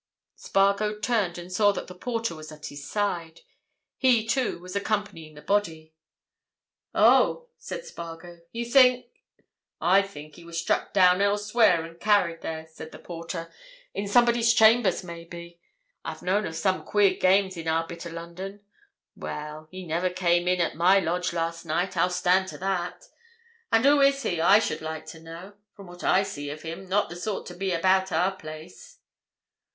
Spargo turned and saw that the porter was at his side. He, too, was accompanying the body. "Oh!" said Spargo. "You think—" "I think he was struck down elsewhere and carried there," said the porter. "In somebody's chambers, maybe. I've known of some queer games in our bit of London! Well!—he never came in at my lodge last night—I'll stand to that. And who is he, I should like to know? From what I see of him, not the sort to be about our place."